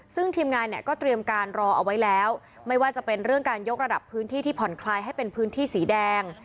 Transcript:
ซึ่งทีมงานเนี่ยก็เตรียมการรอเอาไว้แล้วไม่ว่าจะเป็นเรื่องการยกระดับพื้นที่ที่ผ่อนคลายให้เป็นพื้นที่สีแดง